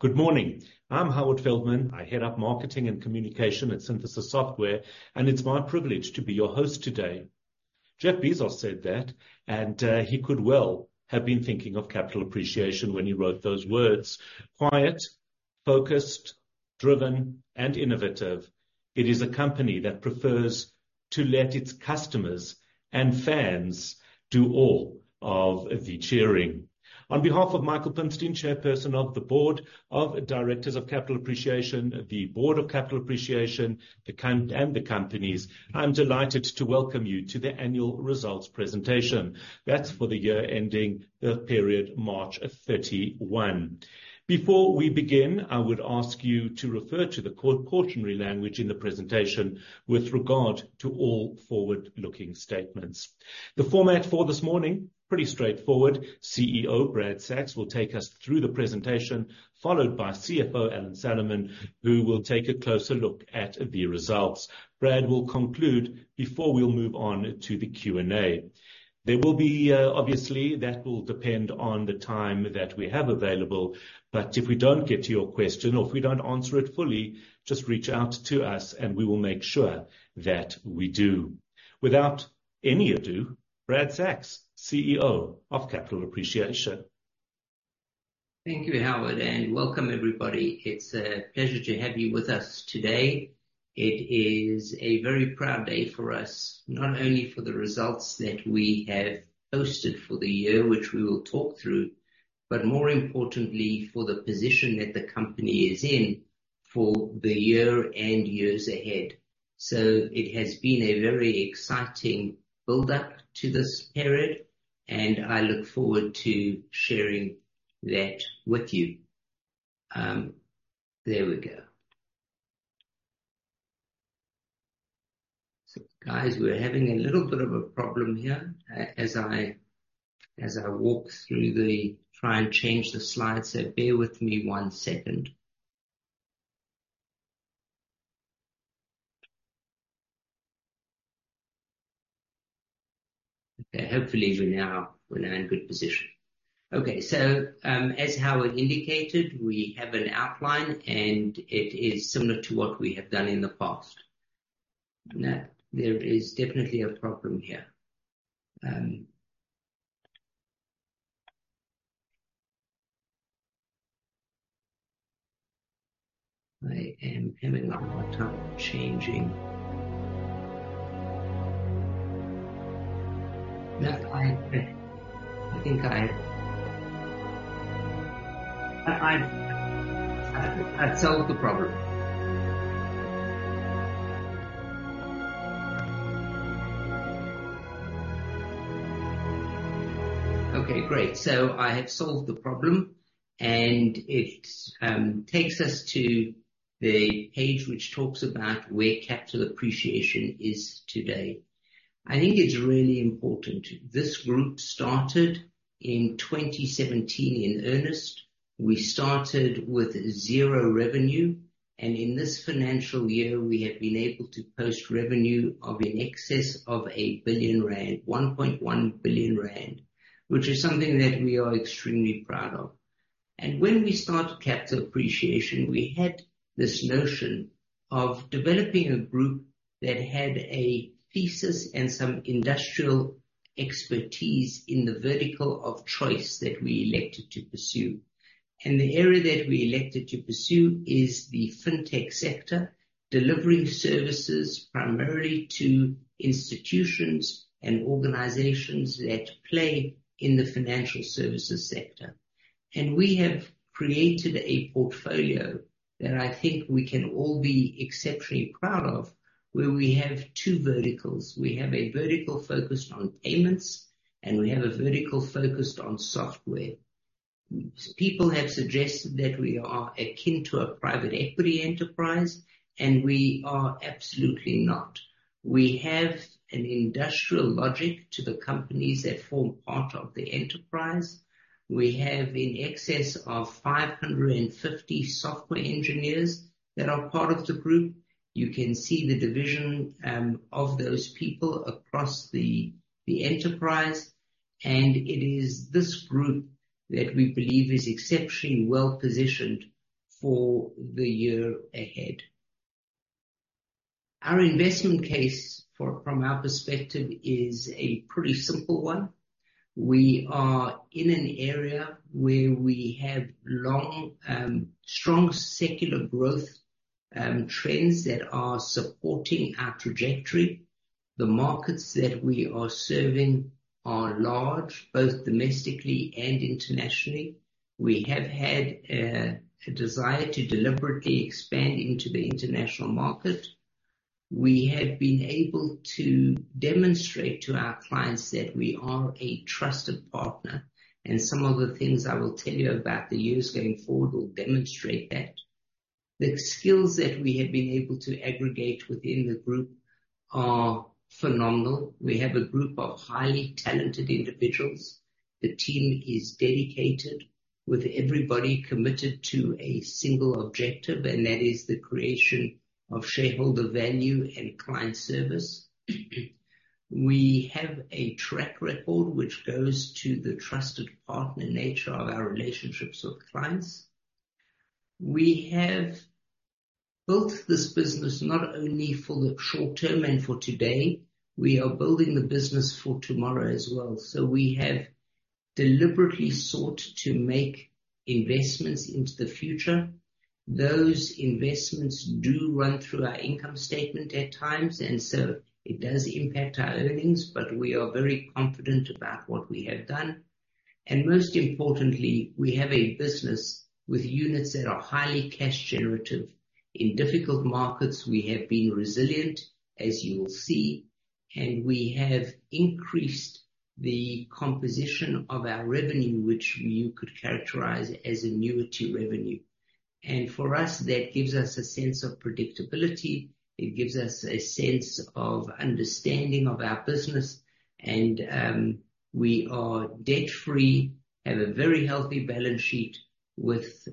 Good morning. I'm Howard Feldman. I head up marketing and communication at Synthesis Software, it's my privilege to be your host today. Jeff Bezos said that, he could well have been thinking of Capital Appreciation when he wrote those words. Quiet, focused, driven, and innovative, it is a company that prefers to let its customers and fans do all of the cheering. On behalf of Michael Pimstein, Chairperson of the Board of Directors of Capital Appreciation, the Board of Capital Appreciation, and the companies, I'm delighted to welcome you to the annual results presentation. That's for the year ending, the period March 31. Before we begin, I would ask you to refer to the cautionary language in the presentation with regard to all forward-looking statements. The format for this morning is pretty straightforward. CEO Brad Sacks will take us through the presentation, followed by CFO Sjoerd Douwenga, who will take a closer look at the results. Brad will conclude before we'll move on to the Q&A. There will be, obviously, that will depend on the time that we have available. If we don't get to your question or if we don't answer it fully, just reach out to us and we will make sure that we do. Without any ado, Brad Sacks, CEO of Capital Appreciation. Thank you, Howard, welcome everybody. It's a pleasure to have you with us today. It is a very proud day for us. Not only for the results that we have posted for the year, which we will talk through, but more importantly for the position that the company is in for the year and years ahead. It has been a very exciting build-up to this period, I look forward to sharing that with you. There we go. Guys, we're having a little bit of a problem here as I walk through, try and change the slides. Bear with me one second. Okay. Hopefully we're now in good position. Okay. As Howard indicated, we have an outline, it is similar to what we have done in the past. No, there is definitely a problem here. I am having a hard time changing. No, I think I've solved the problem. Okay, great. I have solved the problem, it takes us to the page which talks about where Capital Appreciation is today. I think it's really important. This group started in 2017 in earnest. We started with zero revenue, in this financial year, we have been able to post revenue of in excess of 1 billion rand, 1.1 billion rand, which is something that we are extremely proud of. When we started Capital Appreciation, we had this notion of developing a group that had a thesis and some industrial expertise in the vertical of choice that we elected to pursue. The area that we elected to pursue is the fintech sector, delivering services primarily to institutions and organizations that play in the financial services sector. We have created a portfolio that I think we can all be exceptionally proud of, where we have two verticals. We have a vertical focused on payments, and we have a vertical focused on software. People have suggested that we are akin to a private equity enterprise, and we are absolutely not. We have an industrial logic to the companies that form part of the enterprise. We have in excess of 550 software engineers that are part of the group. You can see the division of those people across the enterprise. It is this group that we believe is exceptionally well-positioned for the year ahead. Our investment case from our perspective is a pretty simple one. We are in an area where we have long, strong secular growth trends that are supporting our trajectory. The markets that we are serving are large, both domestically and internationally. We have had a desire to deliberately expand into the international market. We have been able to demonstrate to our clients that we are a trusted partner, and some of the things I will tell you about the years going forward will demonstrate that. The skills that we have been able to aggregate within the group are phenomenal. We have a group of highly talented individuals. The team is dedicated, with everybody committed to a single objective, and that is the creation of shareholder value and client service. We have a track record which goes to the trusted partner nature of our relationships with clients. We have built this business not only for the short term and for today, we are building the business for tomorrow as well. We have deliberately sought to make investments into the future. Those investments do run through our income statement at times, and so it does impact our earnings, but we are very confident about what we have done. Most importantly, we have a business with units that are highly cash generative. In difficult markets, we have been resilient, as you will see, and we have increased the composition of our revenue, which you could characterize as annuity revenue. For us, that gives us a sense of predictability, it gives us a sense of understanding of our business. We are debt-free, have a very healthy balance sheet with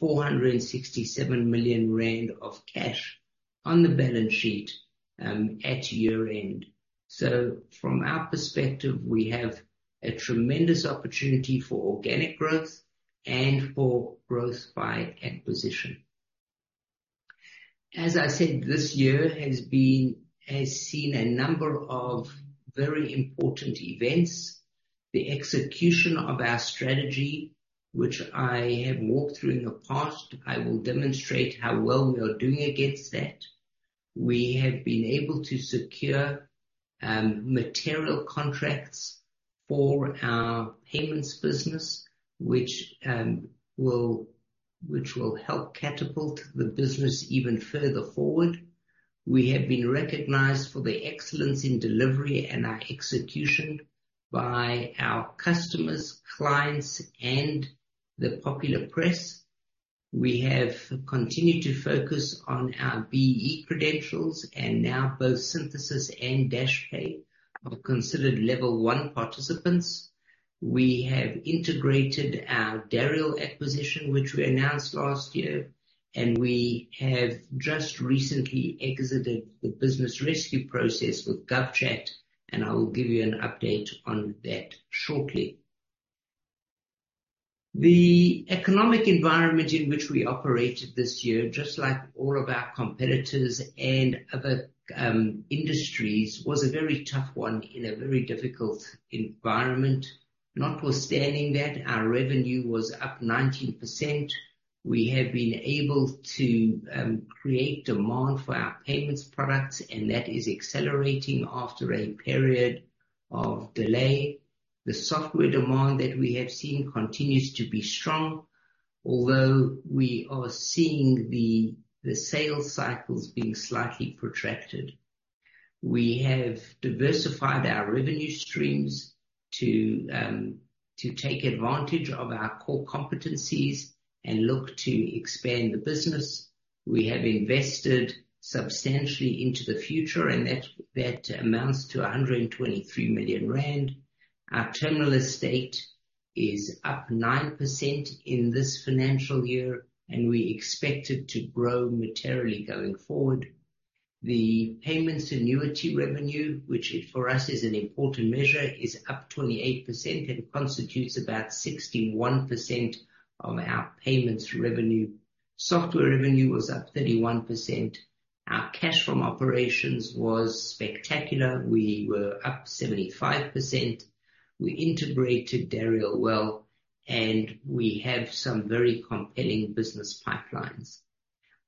467 million rand of cash on the balance sheet at year-end. From our perspective, we have a tremendous opportunity for organic growth and for growth by acquisition. As I said, this year has seen a number of very important events. The execution of our strategy, which I have walked through in the past. I will demonstrate how well we are doing against that. We have been able to secure material contracts for our payments business, which will help catapult the business even further forward. We have been recognized for the excellence in delivery and our execution by our customers, clients, and the popular press. We have continued to focus on our BEE credentials, and now both Synthesis and Dashpay are considered level 1 participants. We have integrated our Dariel acquisition, which we announced last year, and we have just recently exited the business rescue process with GovChat, and I will give you an update on that shortly. The economic environment in which we operated this year, just like all of our competitors and other industries, was a very tough one in a very difficult environment. Notwithstanding that, our revenue was up 19%. We have been able to create demand for our payments products, and that is accelerating after a period of delay. The software demand that we have seen continues to be strong, although we are seeing the sales cycles being slightly protracted. We have diversified our revenue streams to take advantage of our core competencies and look to expand the business. We have invested substantially into the future, and that amounts to 123 million rand. Our terminal estate is up 9% in this financial year, and we expect it to grow materially going forward. The payments annuity revenue, which for us is an important measure, is up 28% and constitutes about 61% of our payments revenue. Software revenue was up 31%. Our cash from operations was spectacular. We were up 75%. We integrated Dariel well, and we have some very compelling business pipelines.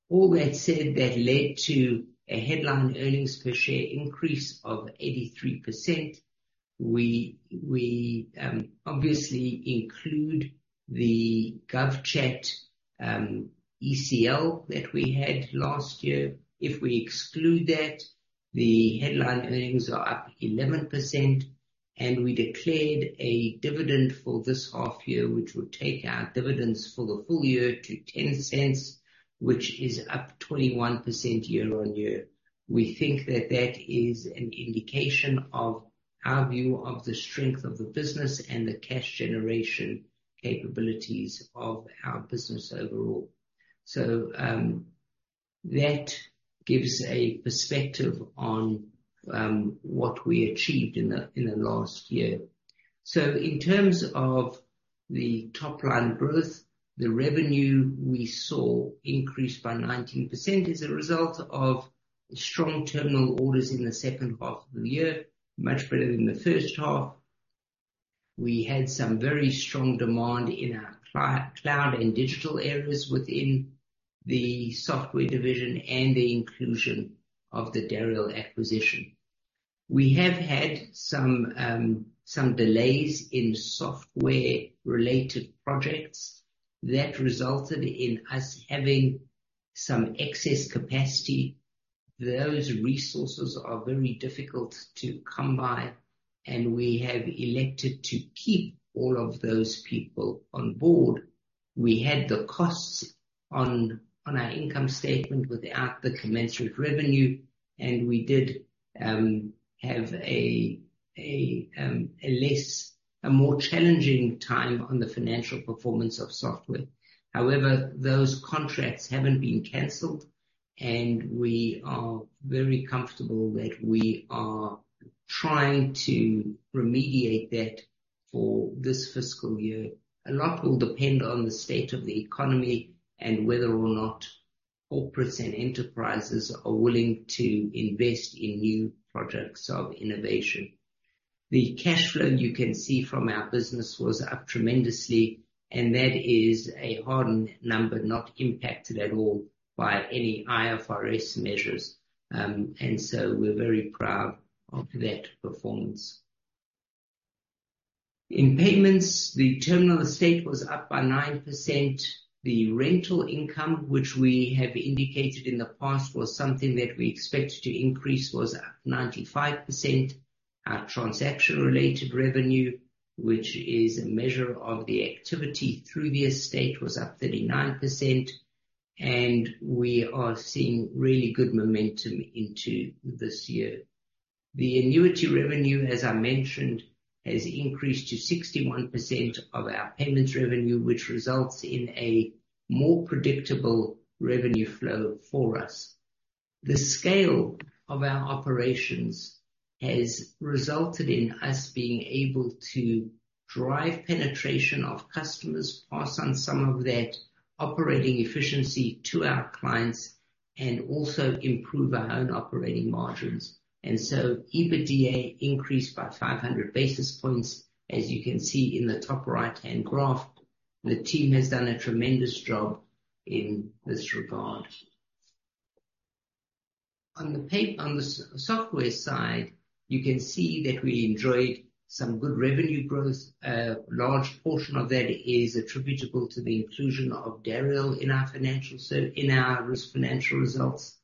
All that said, that led to a headline earnings per share increase of 83%. We obviously include the GovChat ECL that we had last year. If we exclude that, the headline earnings are up 11% and we declared a dividend for this half year, which will take our dividends for the full year to 0.10, which is up 21% year-over-year. We think that that is an indication of our view of the strength of the business and the cash generation capabilities of our business overall. That gives a perspective on what we achieved in the last year. In terms of the top line growth, the revenue we saw increased by 19% as a result of strong terminal orders in the second half of the year, much better than the first half. We had some very strong demand in our cloud and digital areas within the Software division and the inclusion of the Dariel acquisition. We have had some delays in software-related projects that resulted in us having some excess capacity. Those resources are very difficult to come by, and we have elected to keep all of those people on board. We had the costs on our income statement without the commensurate revenue, and we did have a more challenging time on the financial performance of software. However, those contracts haven't been canceled, and we are very comfortable that we are trying to remediate that for this fiscal year. A lot will depend on the state of the economy and whether or not corporates and enterprises are willing to invest in new projects of innovation. The cash flow you can see from our business was up tremendously, and that is a hard number, not impacted at all by any IFRS measures. We're very proud of that performance. In payments, the terminal estate was up by 9%. The rental income, which we have indicated in the past, was something that we expected to increase, was up 95%. Our transaction-related revenue, which is a measure of the activity through the estate, was up 39%, and we are seeing really good momentum into this year. The annuity revenue, as I mentioned, has increased to 61% of our payments revenue, which results in a more predictable revenue flow for us. The scale of our operations has resulted in us being able to drive penetration of customers, pass on some of that operating efficiency to our clients, and also improve our own operating margins. EBITDA increased by 500 basis points. As you can see in the top right-hand graph, the team has done a tremendous job in this regard. On the software side, you can see that we enjoyed some good revenue growth. A large portion of that is attributable to the inclusion of Dariel in our financial results.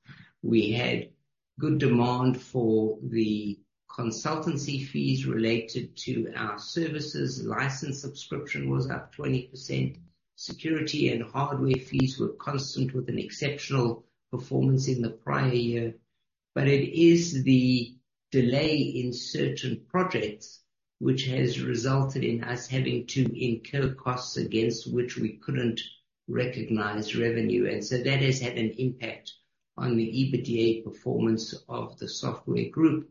We had good demand for the consultancy fees related to our services. License subscription was up 20%. Security and hardware fees were constant with an exceptional performance in the prior year. It is the delay in certain projects which has resulted in us having to incur costs against which we couldn't recognize revenue. That has had an impact on the EBITDA performance of the software group,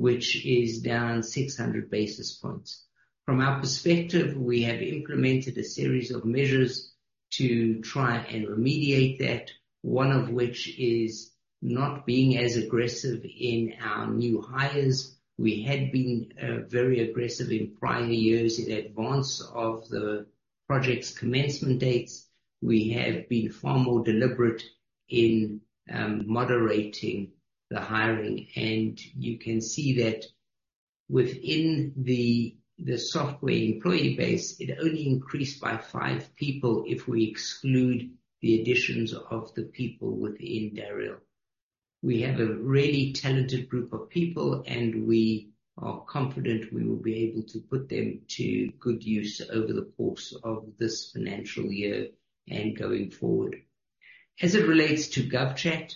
which is down 600 basis points. From our perspective, we have implemented a series of measures to try and remediate that, one of which is not being as aggressive in our new hires. We had been very aggressive in prior years in advance of the project's commencement dates. We have been far more deliberate in moderating the hiring, and you can see that within the software employee base, it only increased by five people if we exclude the additions of the people within Dariel. We have a really talented group of people, and we are confident we will be able to put them to good use over the course of this financial year and going forward. As it relates to GovChat,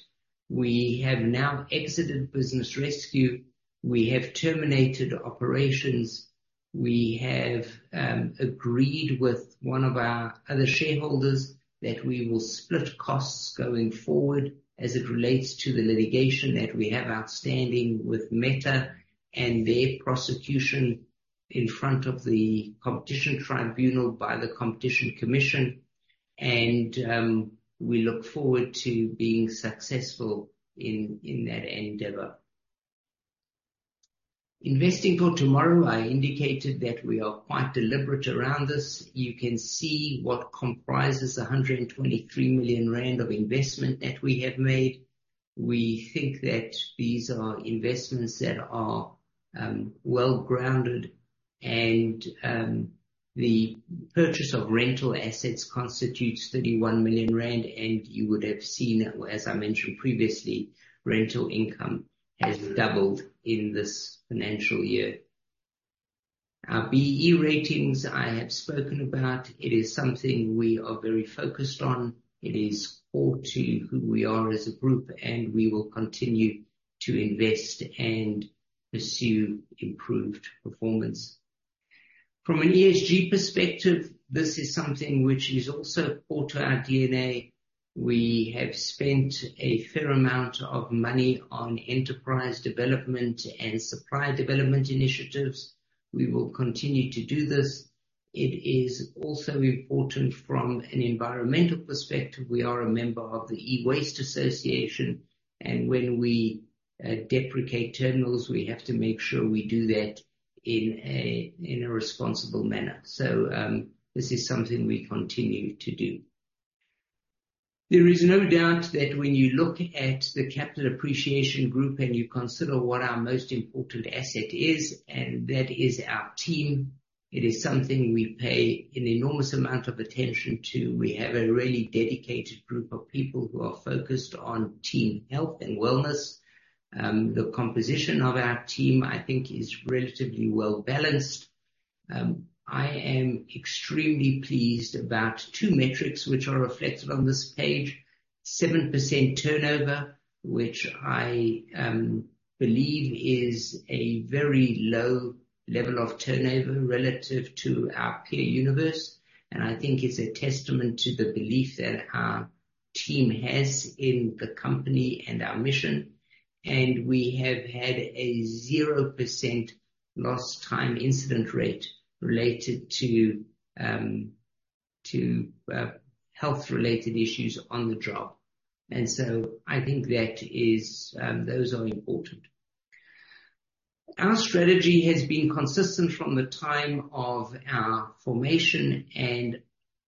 we have now exited business rescue. We have terminated operations. We have agreed with one of our other shareholders that we will split costs going forward as it relates to the litigation that we have outstanding with Meta and their prosecution in front of the Competition Tribunal by the Competition Commission. We look forward to being successful in that endeavor. Investing for tomorrow, I indicated that we are quite deliberate around this. You can see what comprises the 123 million rand of investment that we have made. We think that these are investments that are well-grounded and the purchase of rental assets constitutes 31 million rand. You would have seen, as I mentioned previously, rental income has doubled in this financial year. Our BEE ratings I have spoken about. It is something we are very focused on. It is core to who we are as a group, and we will continue to invest and pursue improved performance. From an ESG perspective, this is something which is also core to our DNA. We have spent a fair amount of money on enterprise development and supply development initiatives. We will continue to do this. It is also important from an environmental perspective. We are a member of the e-Waste Association, and when we deprecate terminals, we have to make sure we do that in a responsible manner. This is something we continue to do. There is no doubt that when you look at the Capital Appreciation Group and you consider what our most important asset is, and that is our team. It is something we pay an enormous amount of attention to. We have a really dedicated group of people who are focused on team health and wellness. The composition of our team, I think, is relatively well-balanced. I am extremely pleased about two metrics which are reflected on this page. 7% turnover, which I believe is a very low level of turnover relative to our peer universe, and I think it's a testament to the belief that our team has in the company and our mission. We have had a 0% lost-time incident rate related to health-related issues on the job. I think those are important. Our strategy has been consistent from the time of our formation. It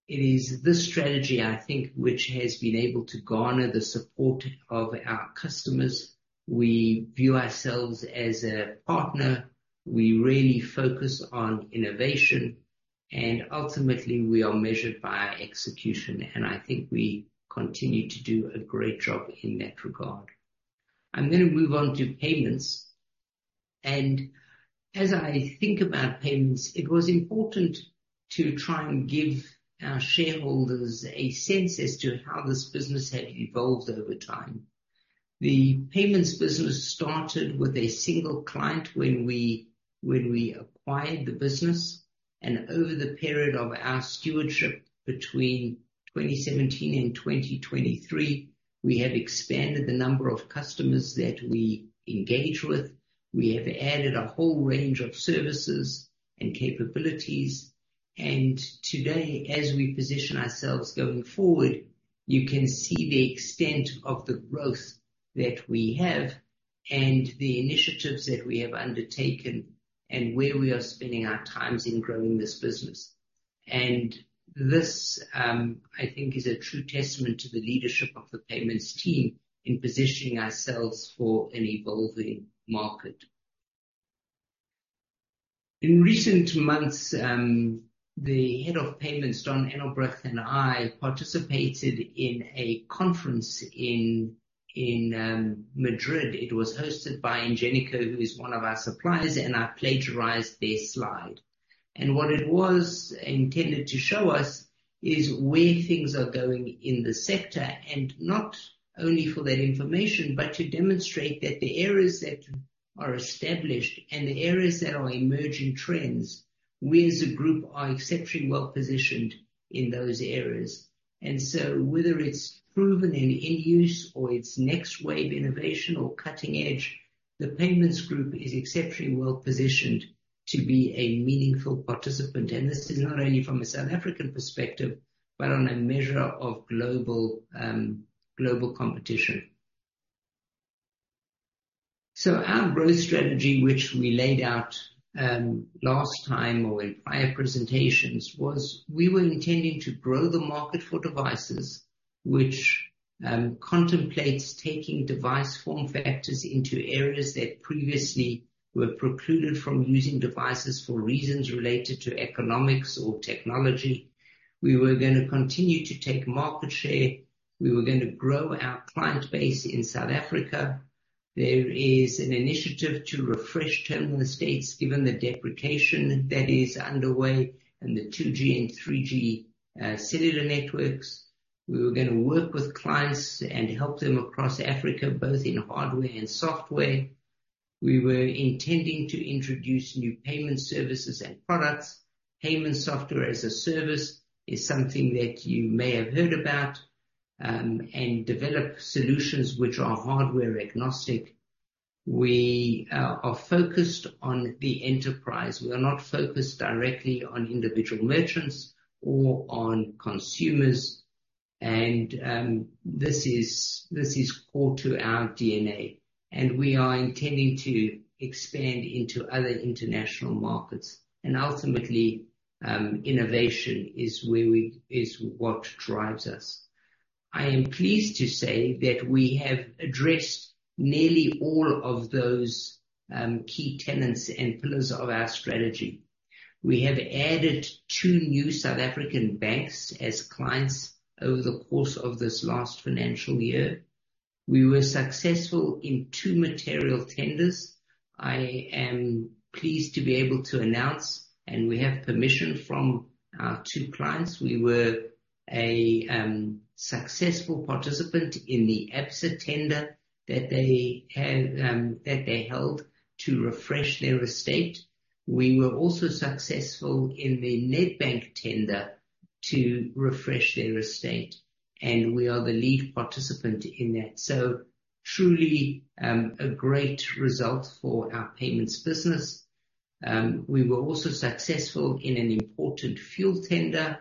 is this strategy, I think, which has been able to garner the support of our customers. We view ourselves as a partner. We really focus on innovation, and ultimately, we are measured by our execution, and I think we continue to do a great job in that regard. I'm going to move on to payments. As I think about payments, it was important to try and give our shareholders a sense as to how this business had evolved over time. The payments business started with a single client when we acquired the business. Over the period of our stewardship between 2017 and 2023, we have expanded the number of customers that we engage with. We have added a whole range of services and capabilities. Today, as we position ourselves going forward, you can see the extent of the growth that we have and the initiatives that we have undertaken and where we are spending our times in growing this business. This, I think is a true testament to the leadership of the payments team in positioning ourselves for an evolving market. In recent months, the head of payments, Donn Engelbrecht and I, participated in a conference in Madrid. It was hosted by Ingenico, who is one of our suppliers, and I plagiarized their slide. What it was intended to show us is where things are going in the sector. Not only for that information, but to demonstrate that the areas that are established and the areas that are emerging trends, we as a group are exceptionally well-positioned in those areas. Whether it's proven in use or it's next wave innovation or cutting edge, the payments group is exceptionally well-positioned to be a meaningful participant. This is not only from a South African perspective but on a measure of global competition. Our growth strategy, which we laid out last time or in prior presentations, was we were intending to grow the market for devices which contemplates taking device form factors into areas that previously were precluded from using devices for reasons related to economics or technology. We were going to continue to take market share. We were going to grow our client base in South Africa. There is an initiative to refresh terminal estates given the deprecation that is underway in the 2G and 3G cellular networks. We were going to work with clients and help them across Africa, both in hardware and software. We were intending to introduce new payment services and products. Payment Software as a Service is something that you may have heard about, and develop solutions which are hardware-agnostic. We are focused on the enterprise. We are not focused directly on individual merchants or on consumers. This is core to our DNA. We are intending to expand into other international markets. Ultimately, innovation is what drives us. I am pleased to say that we have addressed nearly all of those key tenets and pillars of our strategy. We have added two new South African banks as clients over the course of this last financial year. We were successful in two material tenders. I am pleased to be able to announce, and we have permission from our two clients. We were a successful participant in the Absa tender that they held to refresh their estate. We were also successful in the Nedbank tender to refresh their estate, and we are the lead participant in that. Truly, a great result for our payments business. We were also successful in an important fuel tender.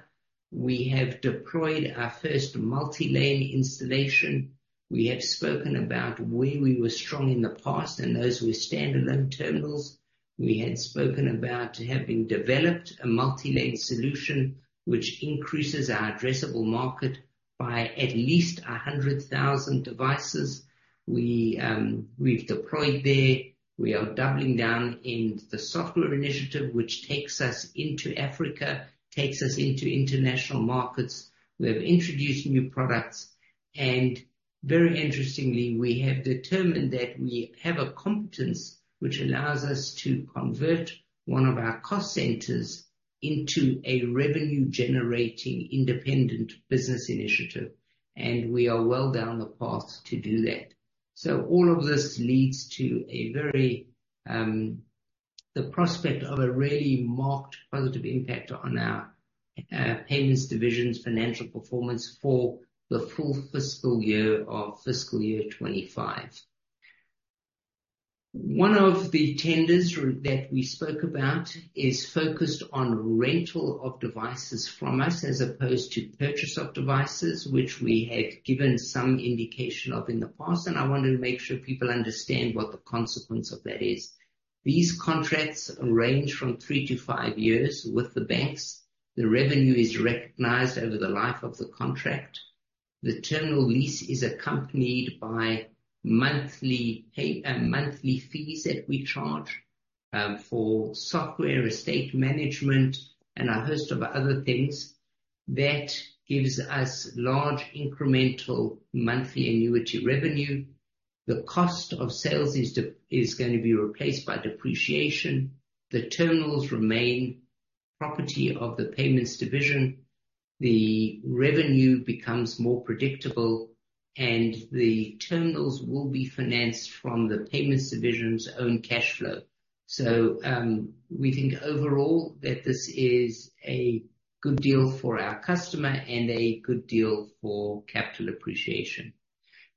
We have deployed our first multi-lane installation. We have spoken about where we were strong in the past, and those were standalone terminals. We had spoken about having developed a multi-lane solution, which increases our addressable market by at least 100,000 devices. We've deployed there. We are doubling down in the software initiative, which takes us into Africa, takes us into international markets. We have introduced new products. Very interestingly, we have determined that we have a competence which allows us to convert one of our cost centers into a revenue-generating independent business initiative. We are well down the path to do that. All of this leads to a very. The prospect of a really marked positive impact on our payments division's financial performance for the full fiscal year of FY 2025. One of the tenders that we spoke about is focused on rental of devices from us as opposed to purchase of devices, which we have given some indication of in the past, and I wanted to make sure people understand what the consequence of that is. These contracts range from three to five years with the banks. The revenue is recognized over the life of the contract. The terminal lease is accompanied by monthly fees that we charge for software estate management and a host of other things that gives us large incremental monthly annuity revenue. The cost of sales is going to be replaced by depreciation. The terminals remain property of the payments division. The revenue becomes more predictable, and the terminals will be financed from the payments division's own cash flow. We think overall that this is a good deal for our customer and a good deal for Capital Appreciation.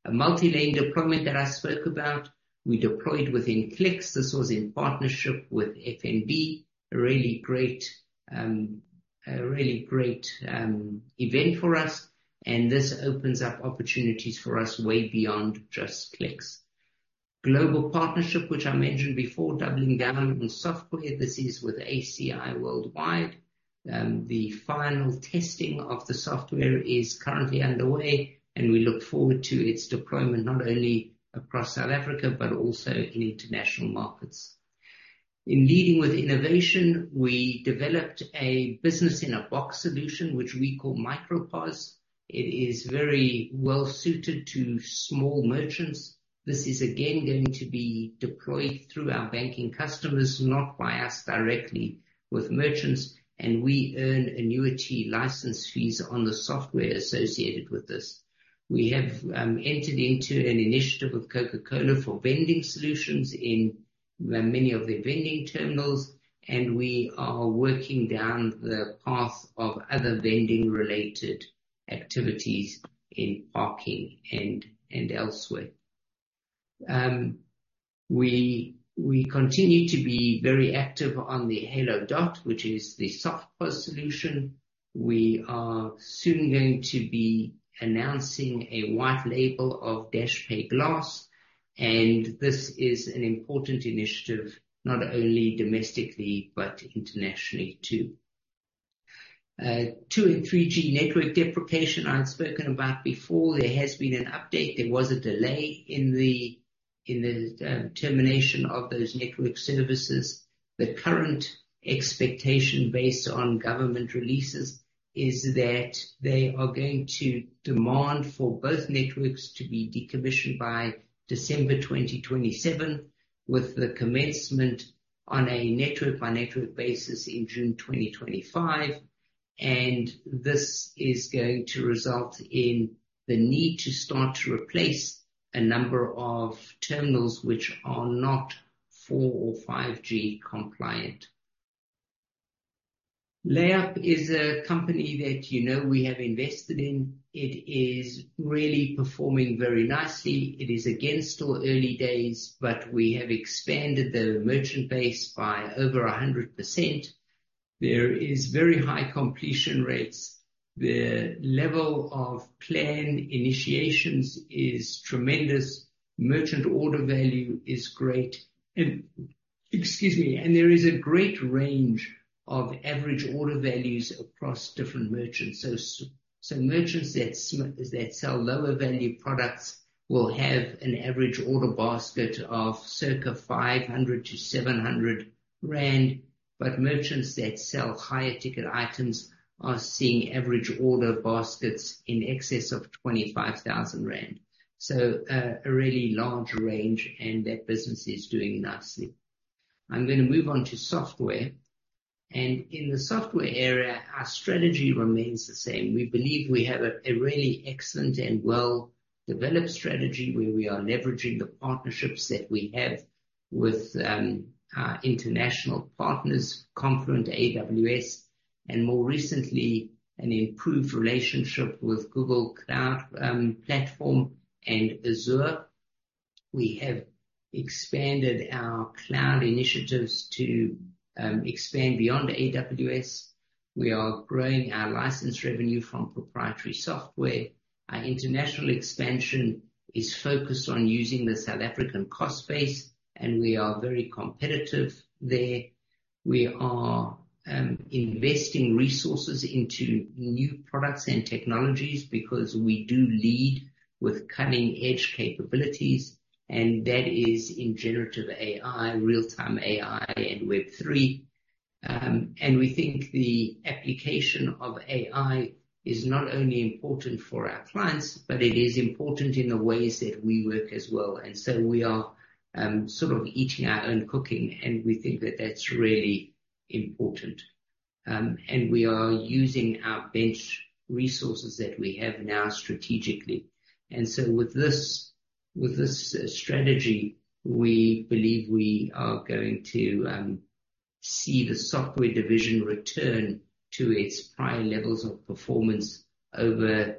A multi-lane deployment that I spoke about, we deployed within Clicks. This was in partnership with FNB. A really great event for us, and this opens up opportunities for us way beyond just Clicks. Global partnership, which I mentioned before, doubling down on software. This is with ACI Worldwide. The final testing of the software is currently underway, and we look forward to its deployment, not only across South Africa but also in international markets. In leading with innovation, we developed a business-in-a-box solution, which we call MicroPOS. It is very well suited to small merchants. This is again going to be deployed through our banking customers, not by us directly with merchants, and we earn annuity license fees on the software associated with this. We have entered into an initiative with Coca-Cola for vending solutions in many of their vending terminals. We are working down the path of other vending-related activities in parking and elsewhere. We continue to be very active on the Halo Dot, which is the SoftPOS solution. We are soon going to be announcing a white label of Dashpay Glass, and this is an important initiative not only domestically but internationally too. 2G and 3G network deprecation I've spoken about before. There has been an update. There was a delay in the termination of those network services. The current expectation based on government releases is that they are going to demand for both networks to be decommissioned by December 2027, with the commencement on a network-by-network basis in June 2025. This is going to result in the need to start to replace a number of terminals which are not 4G or 5G compliant. LayUp is a company that you know we have invested in. It is really performing very nicely. It is again still early days, but we have expanded the merchant base by over 100%. There is very high completion rates. The level of plan initiations is tremendous. Merchant order value is great. There is a great range of average order values across different merchants. Merchants that sell lower value products will have an average order basket of circa 500 to 700 rand, but merchants that sell higher ticket items are seeing average order baskets in excess of 25,000 rand. A really large range and that business is doing nicely. I'm going to move on to software. In the software area, our strategy remains the same. We believe we have a really excellent and well-developed strategy where we are leveraging the partnerships that we have with our international partners, Confluent, AWS, and more recently an improved relationship with Google Cloud and Azure. We have expanded our cloud initiatives to expand beyond AWS. We are growing our license revenue from proprietary software. Our international expansion is focused on using the South African cost base, and we are very competitive there. We are investing resources into new products and technologies because we do lead with cutting-edge capabilities, and that is in generative AI, real-time AI, and Web3. We think the application of AI is not only important for our clients, but it is important in the ways that we work as well. We are sort of eating our own cooking, and we think that that's really important. We are using our bench resources that we have now strategically. With this strategy, we believe we are going to see the software division return to its prior levels of performance over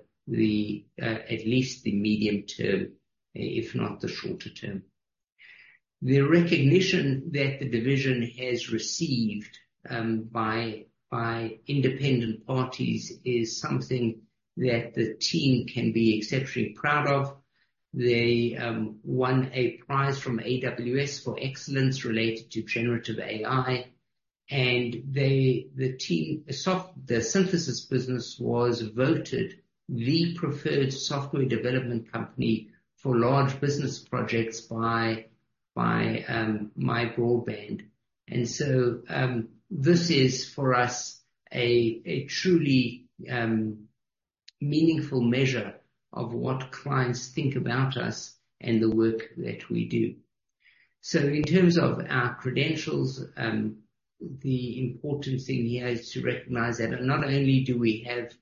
at least the medium term, if not the shorter term. The recognition that the division has received by independent parties is something that the team can be exceptionally proud of. They won a prize from AWS for excellence related to generative AI, and the Synthesis was voted the preferred software development company for large business projects by MyBroadband. This is for us a truly meaningful measure of what clients think about us and the work that we do. In terms of our credentials, the important thing here is to recognize that not only do we have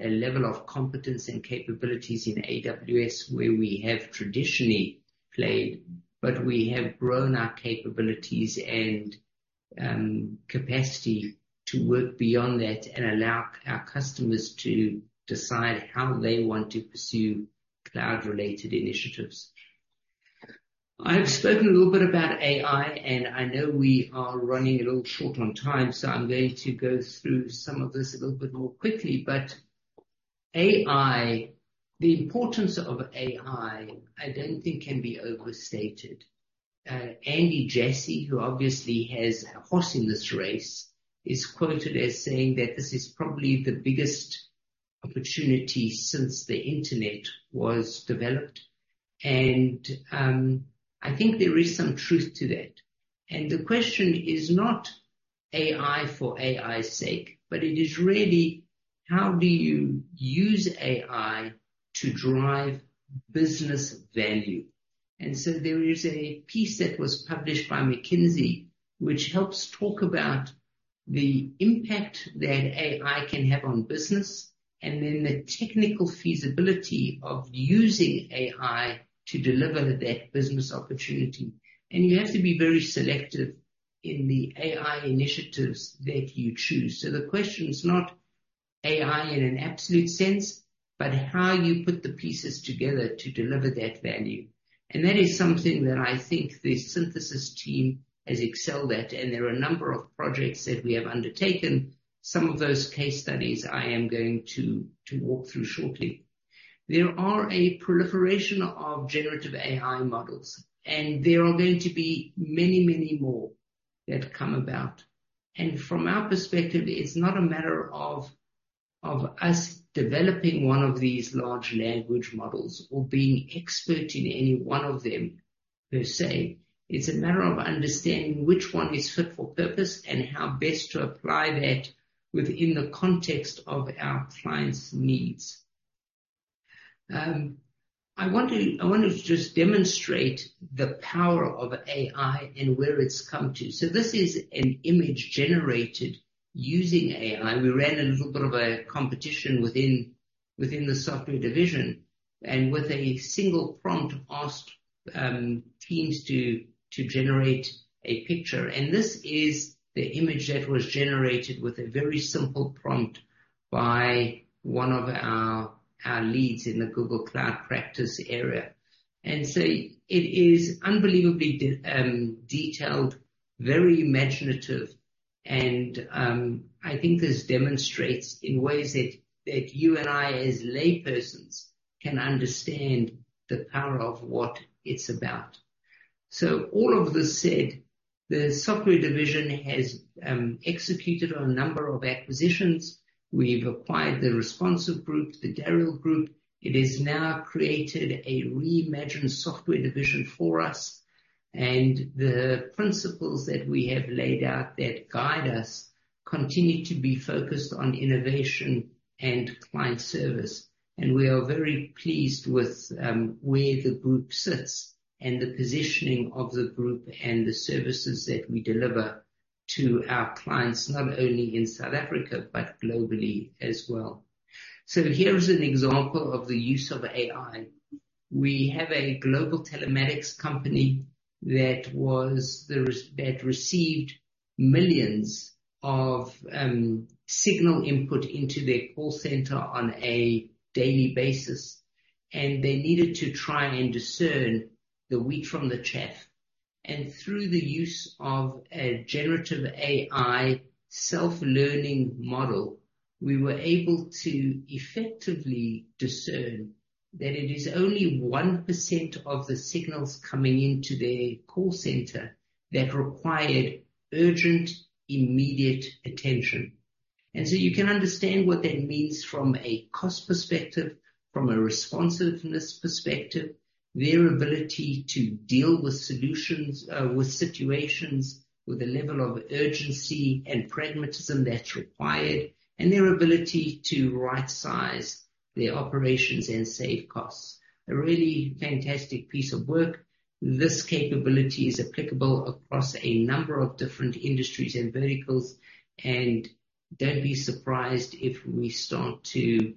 a level of competence and capabilities in AWS where we have traditionally played, but we have grown our capabilities and capacity to work beyond that and allow our customers to decide how they want to pursue cloud-related initiatives. I've spoken a little bit about AI, and I know we are running a little short on time, so I'm going to go through some of this a little bit more quickly. AI, the importance of AI, I don't think can be overstated. Andy Jassy, who obviously has a horse in this race, is quoted as saying that this is probably the biggest opportunity since the internet was developed. I think there is some truth to that. The question is not AI for AI's sake, but it is really how do you use AI to drive business value. There is a piece that was published by McKinsey, which helps talk about the impact that AI can have on business, and then the technical feasibility of using AI to deliver that business opportunity. You have to be very selective in the AI initiatives that you choose. The question is not AI in an absolute sense, but how you put the pieces together to deliver that value. That is something that I think the Synthesis team has excelled at, and there are a number of projects that we have undertaken. Some of those case studies I am going to walk through shortly. There are a proliferation of generative AI models, and there are going to be many, many more that come about. From our perspective, it's not a matter of us developing one of these large language models or being expert in any one of them, per se. It's a matter of understanding which one is fit for purpose and how best to apply that within the context of our clients' needs. I wanted to just demonstrate the power of AI and where it's come to. This is an image generated using AI. We ran a little bit of a competition within the software division and with a single prompt, asked teams to generate a picture. This is the image that was generated with a very simple prompt by one of our leads in the Google Cloud practice area. It is unbelievably detailed, very imaginative, and I think this demonstrates in ways that you and I as laypersons can understand the power of what it's about. All of this said, the software division has executed on a number of acquisitions. We've acquired the Responsive group, the Dariel group. It has now created a reimagined software division for us, and the principles that we have laid out that guide us continue to be focused on innovation and client service. We are very pleased with where the group sits and the positioning of the group and the services that we deliver to our clients, not only in South Africa but globally as well. Here is an example of the use of AI. We have a global telematics company that received millions of signal input into their call center on a daily basis, and they needed to try and discern the wheat from the chaff. Through the use of a generative AI self-learning model, we were able to effectively discern that it is only 1% of the signals coming into their call center that required urgent, immediate attention. You can understand what that means from a cost perspective, from a responsiveness perspective, their ability to deal with situations with the level of urgency and pragmatism that's required, and their ability to rightsize their operations and save costs. A really fantastic piece of work. Don't be surprised if we start to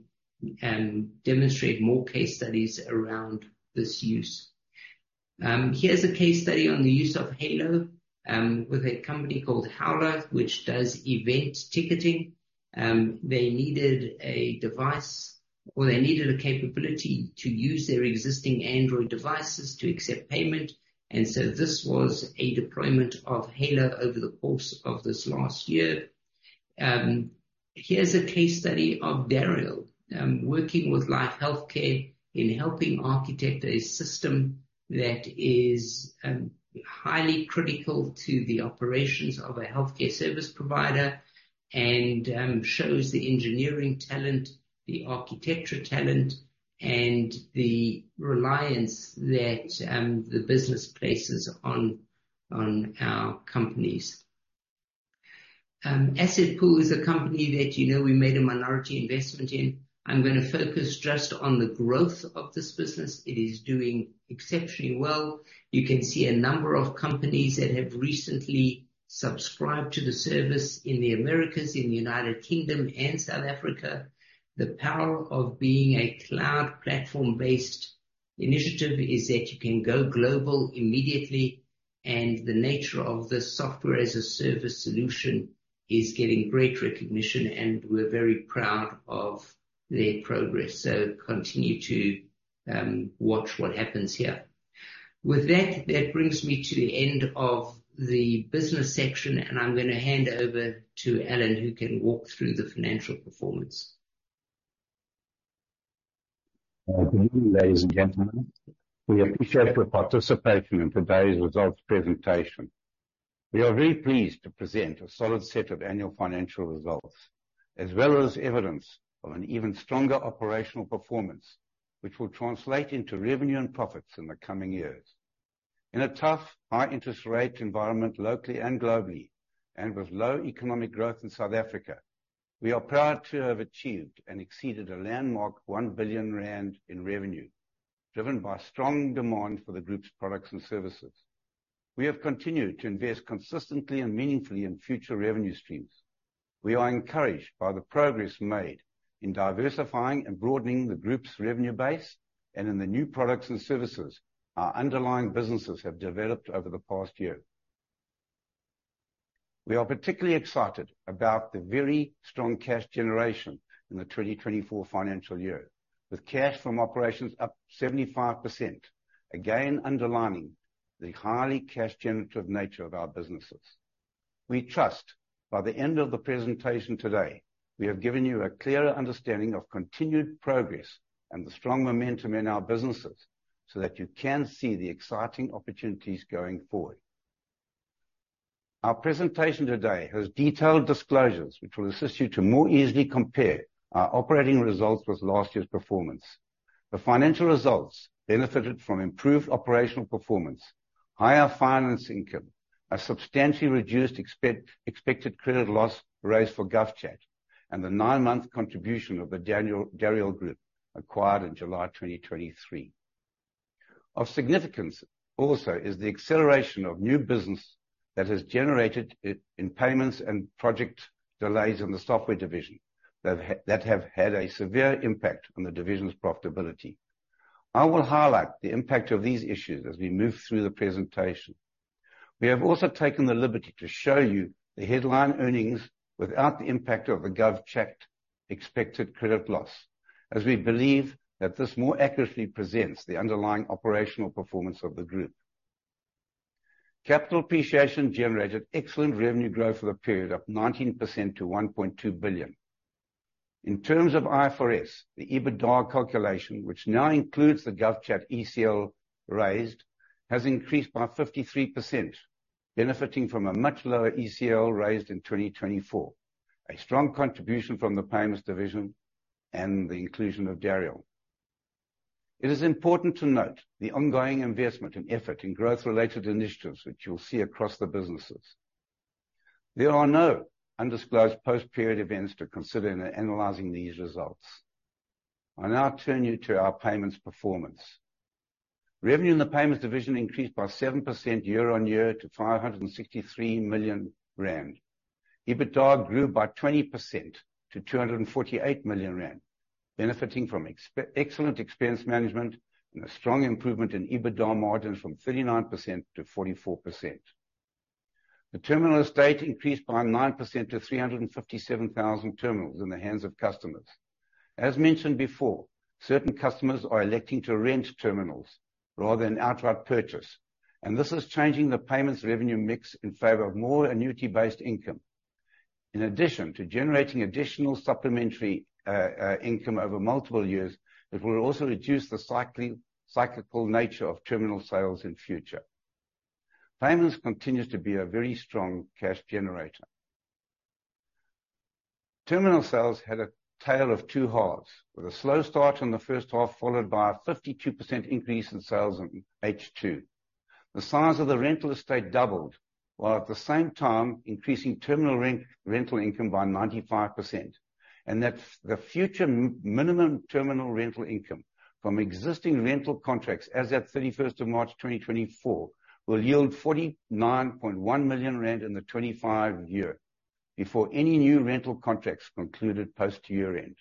demonstrate more case studies around this use. Here's a case study on the use of Halo with a company called Howler, which does event ticketing. They needed a device, or they needed a capability to use their existing Android devices to accept payment. This was a deployment of Halo over the course of this last year. Here's a case study of Dariel working with Life Healthcare in helping architect a system that is highly critical to the operations of a healthcare service provider and shows the engineering talent, the architecture talent, and the reliance that the business places on our companies. AssetPool is a company that you know we made a minority investment in. I'm going to focus just on the growth of this business. It is doing exceptionally well. You can see a number of companies that have recently subscribed to the service in the Americas, in the United Kingdom, and South Africa. The power of being a cloud platform-based initiative is that you can go global immediately, and the nature of the software-as-a-service solution is getting great recognition, and we're very proud of their progress. Continue to watch what happens here. With that brings me to the end of the business section, and I'm going to hand over to Sjoerd, who can walk through the financial performance. Good evening, ladies and gentlemen. We appreciate your participation in today's results presentation. We are very pleased to present a solid set of annual financial results, as well as evidence of an even stronger operational performance, which will translate into revenue and profits in the coming years. In a tough, high interest rate environment locally and globally, and with low economic growth in South Africa, we are proud to have achieved and exceeded a landmark 1 billion rand in revenue, driven by strong demand for the group's products and services. We have continued to invest consistently and meaningfully in future revenue streams. We are encouraged by the progress made in diversifying and broadening the group's revenue base and in the new products and services our underlying businesses have developed over the past year. We are particularly excited about the very strong cash generation in the 2024 financial year, with cash from operations up 75%, again underlining the highly cash generative nature of our businesses. We trust by the end of the presentation today, we have given you a clearer understanding of continued progress and the strong momentum in our businesses so that you can see the exciting opportunities going forward. Our presentation today has detailed disclosures which will assist you to more easily compare our operating results with last year's performance. The financial results benefited from improved operational performance, higher finance income, a substantially reduced expected credit loss raised for GovChat, and the nine-month contribution of the Dariel group acquired in July 2023. Of significance also is the acceleration of new business that has generated in payments and project delays in the software division that have had a severe impact on the division's profitability. I will highlight the impact of these issues as we move through the presentation. We have also taken the liberty to show you the headline earnings without the impact of the GovChat expected credit loss, as we believe that this more accurately presents the underlying operational performance of the group. Capital Appreciation generated excellent revenue growth for the period up 19% to 1.2 billion. In terms of IFRS, the EBITDA calculation, which now includes the GovChat ECL raised, has increased by 53%, benefiting from a much lower ECL raised in 2024, a strong contribution from the payments division and the inclusion of Dariel. It is important to note the ongoing investment and effort in growth-related initiatives, which you'll see across the businesses. There are no undisclosed post-period events to consider in analyzing these results. I now turn you to our payments performance. Revenue in the payments division increased by 7% year-on-year to 563 million rand. EBITDA grew by 20% to 248 million rand, benefiting from excellent expense management and a strong improvement in EBITDA margins from 39% to 44%. The terminal estate increased by 9% to 357,000 terminals in the hands of customers. As mentioned before, certain customers are electing to rent terminals rather than outright purchase, and this is changing the payments revenue mix in favor of more annuity-based income. In addition to generating additional supplementary income over multiple years, it will also reduce the cyclical nature of terminal sales in future. Payments continues to be a very strong cash generator. Terminal sales had a tale of two halves, with a slow start in the first half, followed by a 52% increase in sales in H2. The size of the rental estate doubled, while at the same time increasing terminal rental income by 95%, and that the future minimum terminal rental income from existing rental contracts as at 31st of March 2024 will yield 49.1 million rand in the 2025 year before any new rental contracts concluded post to year-end.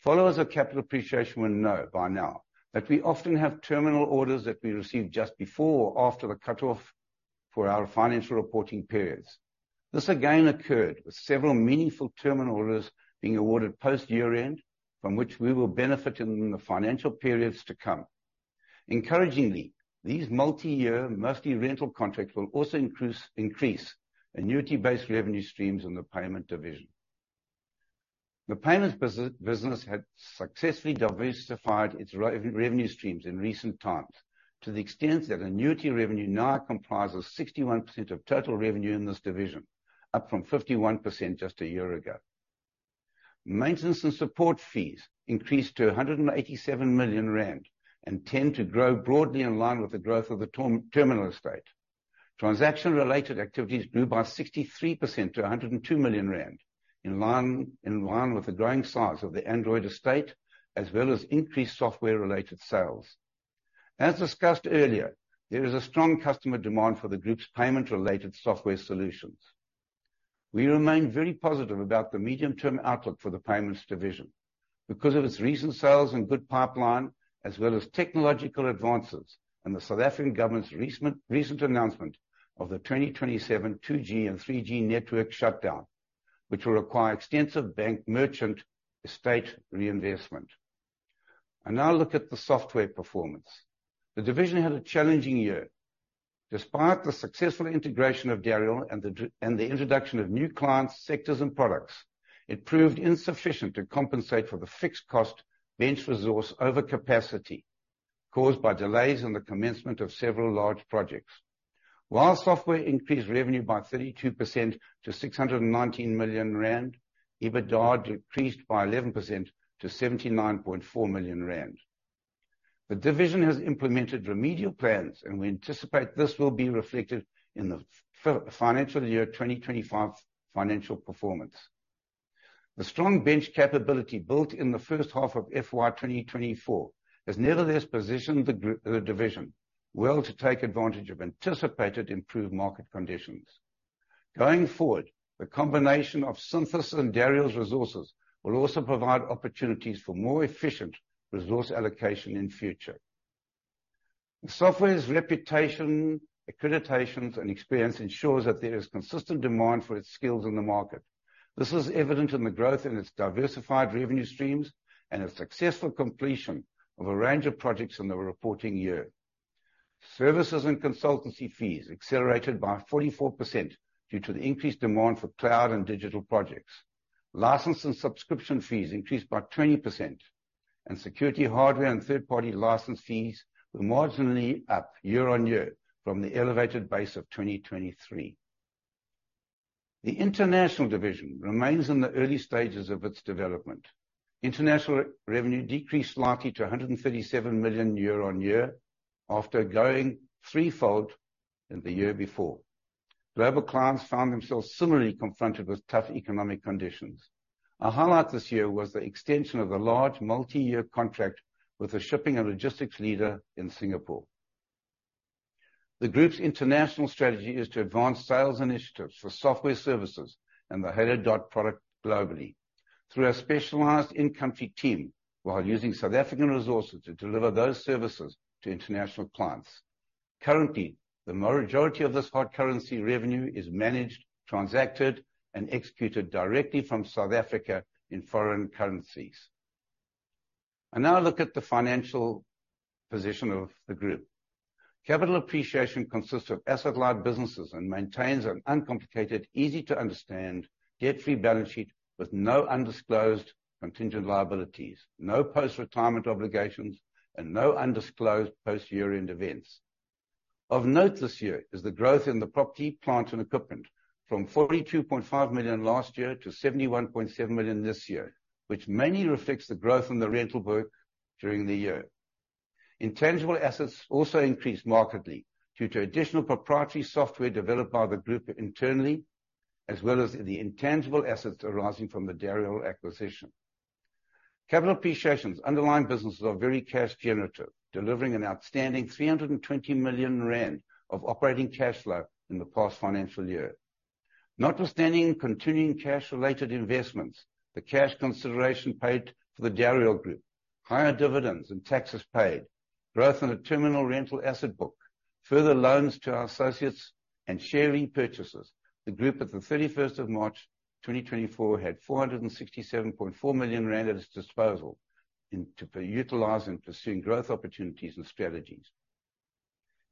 Followers of Capital Appreciation will know by now that we often have terminal orders that we receive just before or after the cutoff for our financial reporting periods. This again occurred with several meaningful terminal orders being awarded post year-end, from which we will benefit in the financial periods to come. Encouragingly, these multi-year, mostly rental contracts will also increase annuity-based revenue streams in the payments division. The payments business had successfully diversified its revenue streams in recent times to the extent that annuity revenue now comprises 61% of total revenue in this division, up from 51% just a year ago. Maintenance and support fees increased to 187 million rand and tend to grow broadly in line with the growth of the terminal estate. Transaction-related activities grew by 63% to 102 million rand, in line with the growing size of the Android estate, as well as increased software-related sales. As discussed earlier, there is a strong customer demand for the group's payment-related software solutions. We remain very positive about the medium-term outlook for the payments division because of its recent sales and good pipeline, as well as technological advances and the South African government's recent announcement of the 2027 2G and 3G network shutdown, which will require extensive bank merchant estate reinvestment. I now look at the software performance. The division had a challenging year. Despite the successful integration of Dariel and the introduction of new clients, sectors, and products, it proved insufficient to compensate for the fixed cost bench resource overcapacity caused by delays in the commencement of several large projects. While Software increased revenue by 32% to 619 million rand, EBITDA decreased by 11% to 79.4 million rand. The division has implemented remedial plans, and we anticipate this will be reflected in the financial year 2025 financial performance. The strong bench capability built in the first half of FY 2024 has nevertheless positioned the division well to take advantage of anticipated improved market conditions. The combination of Synthesis and Dariel's resources will also provide opportunities for more efficient resource allocation in future. Software's reputation, accreditations, and experience ensures that there is consistent demand for its skills in the market. This is evident in the growth in its diversified revenue streams and its successful completion of a range of projects in the reporting year. Services and consultancy fees accelerated by 44% due to the increased demand for cloud and digital projects. License and subscription fees increased by 20%, and security hardware and third-party license fees were marginally up year-on-year from the elevated base of 2023. The international division remains in the early stages of its development. International revenue decreased slightly to 137 million year-on-year after growing threefold in the year before. Global clients found themselves similarly confronted with tough economic conditions. A highlight this year was the extension of the large multi-year contract with a shipping and logistics leader in Singapore. The group's international strategy is to advance sales initiatives for software services and the Halo Dot product globally through our specialized in-country team while using South African resources to deliver those services to international clients. Currently, the majority of this hard currency revenue is managed, transacted, and executed directly from South Africa in foreign currencies. I now look at the financial position of the group. Capital Appreciation consists of asset light businesses and maintains an uncomplicated, easy-to-understand, debt-free balance sheet with no undisclosed contingent liabilities, no post-retirement obligations, and no undisclosed post year-end events. Of note this year is the growth in the property, plant, and equipment from 42.5 million last year to 71.7 million this year, which mainly reflects the growth in the rental book during the year. Intangible assets also increased markedly due to additional proprietary software developed by the group internally, as well as the intangible assets arising from the Dariel acquisition. Capital Appreciation's underlying businesses are very cash generative, delivering an outstanding 320 million rand of operating cash flow in the past financial year. Notwithstanding continuing cash-related investments, the cash consideration paid for the Dariel group, higher dividends and taxes paid, growth in the terminal rental asset book, further loans to our associates, and share repurchases, the group at the 31st of March 2024 had 467.4 million rand at its disposal to utilize in pursuing growth opportunities and strategies.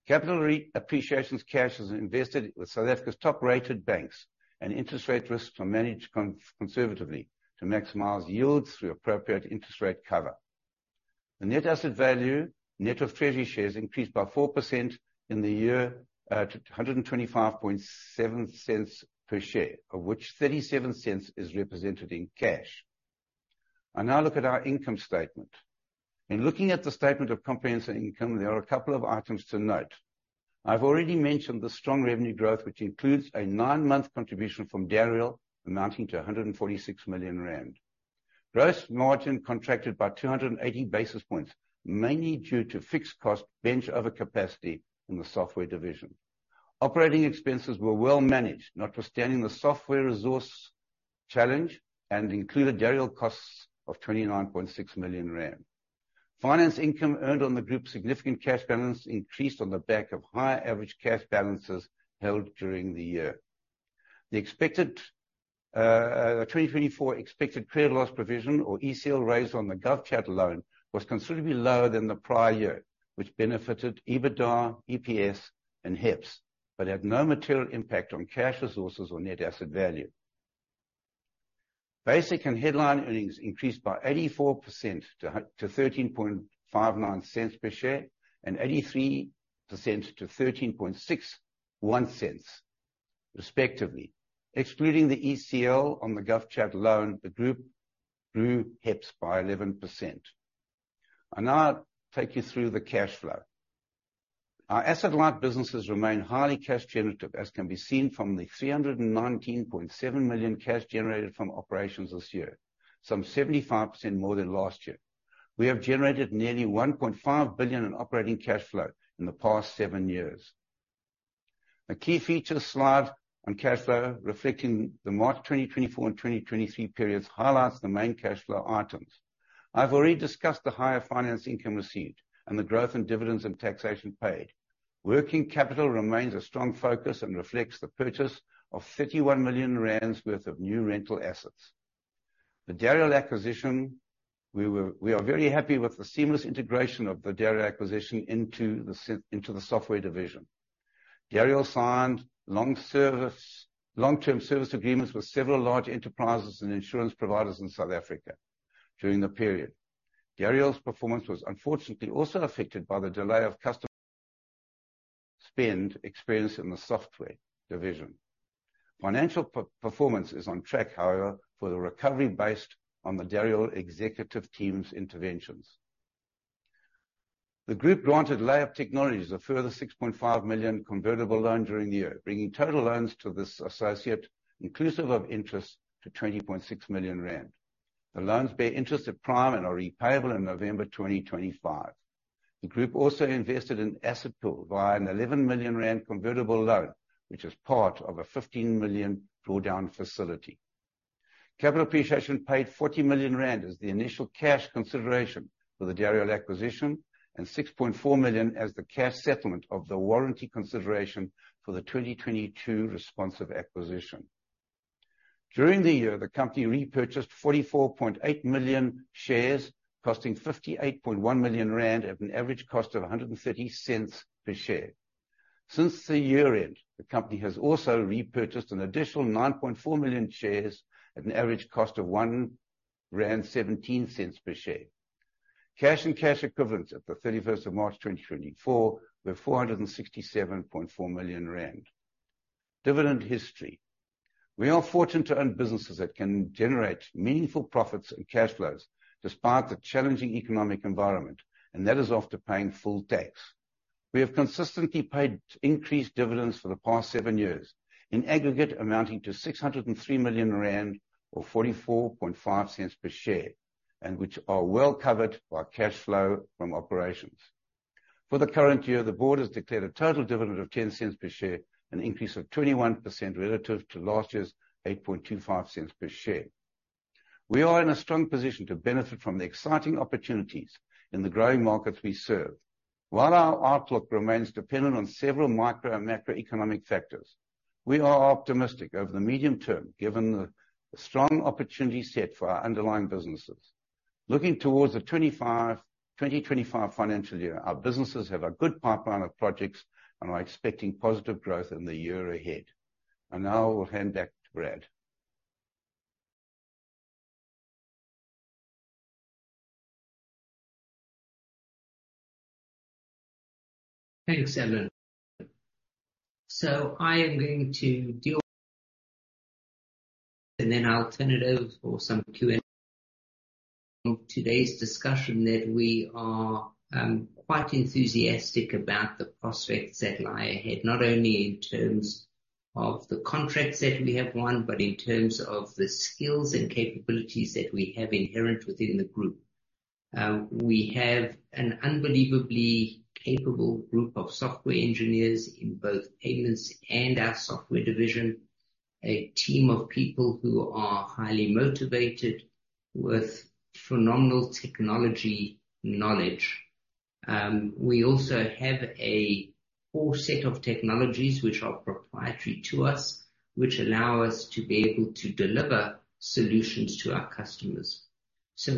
Capital Appreciation's cash is invested with South Africa's top-rated banks, and interest rate risks are managed conservatively to maximize yields through appropriate interest rate cover. The net asset value, net of treasury shares, increased by 4% in the year at 1.257 per share, of which 0.37 is represented in cash. I now look at our income statement. In looking at the statement of comprehensive income, there are a couple of items to note. I've already mentioned the strong revenue growth, which includes a nine-month contribution from Dariel amounting to 146 million rand. Gross margin contracted by 280 basis points, mainly due to fixed cost bench overcapacity in the software division. Operating expenses were well managed, notwithstanding the software resource challenge, and included Dariel costs of 29.6 million rand. Finance income earned on the group's significant cash balance increased on the back of higher average cash balances held during the year. The 2024 expected credit loss provision, or ECL, raised on the GovChat loan was considerably lower than the prior year, which benefited EBITDA, EPS, and HEPS, but had no material impact on cash resources or net asset value. Basic and headline earnings increased by 84% to 0.1359 per share and 83% to 0.1361 respectively. Excluding the ECL on the GovChat loan, the group grew HEPS by 11%. I'll now take you through the cash flow. Our asset-light businesses remain highly cash generative, as can be seen from the 319.7 million cash generated from operations this year, some 75% more than last year. We have generated nearly 1.5 billion in operating cash flow in the past seven years. A key feature slide on cash flow reflecting the March 2024 and 2023 periods highlights the main cash flow items. I've already discussed the higher finance income received and the growth in dividends and taxation paid. Working capital remains a strong focus and reflects the purchase of 31 million rand worth of new rental assets. The Dariel acquisition, we are very happy with the seamless integration of the Dariel acquisition into the software division. Dariel signed long-term service agreements with several large enterprises and insurance providers in South Africa during the period. Dariel's performance was unfortunately also affected by the delay of customer spend experienced in the software division. Financial performance is on track, however, for the recovery based on the Dariel executive team's interventions. The group granted LayUp Technologies a further 6.5 million convertible loan during the year, bringing total loans to this associate, inclusive of interest, to 20.6 million rand. The loans bear interest at prime and are repayable in November 2025. The group also invested in AssetPool via an 11 million rand convertible loan, which is part of a 15 million drawdown facility. Capital Appreciation paid 40 million rand as the initial cash consideration for the Dariel acquisition and 6.4 million as the cash settlement of the warranty consideration for the 2022 Responsive acquisition. During the year, the company repurchased 44.8 million shares costing 58.1 million rand at an average cost of 1.30 per share. Since the year-end, the company has also repurchased an additional 9.4 million shares at an average cost of 1.17 rand per share. Cash and cash equivalents at the 31st of March 2024 were 467.4 million rand. Dividend history. We are fortunate to own businesses that can generate meaningful profits and cash flows despite the challenging economic environment, and that is after paying full tax. We have consistently paid increased dividends for the past seven years, in aggregate amounting to 603 million rand or 0.445 per share, and which are well-covered by cash flow from operations. For the current year, the board has declared a total dividend of 0.10 per share, an increase of 21% relative to last year's 0.0825 per share. We are in a strong position to benefit from the exciting opportunities in the growing markets we serve. While our outlook remains dependent on several micro and macroeconomic factors, we are optimistic over the medium term, given the strong opportunity set for our underlying businesses. Looking towards the 2025 financial year, our businesses have a good pipeline of projects and are expecting positive growth in the year ahead. I now will hand back to Brad. Thanks, Sjoerd. I'll turn it over for some Q&A. Today's discussion that we are quite enthusiastic about the prospects that lie ahead, not only in terms of the contracts that we have won, but in terms of the skills and capabilities that we have inherent within the group. We have an unbelievably capable group of software engineers in both Adumo and our Software division, a team of people who are highly motivated with phenomenal technology knowledge. We also have a whole set of technologies which are proprietary to us, which allow us to be able to deliver solutions to our customers.